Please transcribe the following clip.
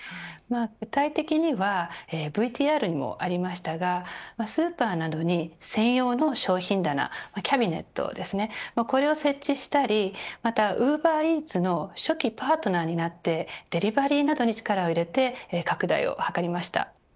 具体的にはＶＴＲにもありましたがスーパーなどに専用の商品棚キャビネットをですね設置したりまた、ウーバーイーツの初期パートナーになってデリバリーなどに力を入れて拡大を図りました。